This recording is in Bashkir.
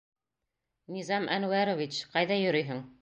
Низам Әнүәрович, ҡайҙа йөрөйһөң?